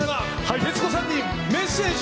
徹子さんにメッセージ！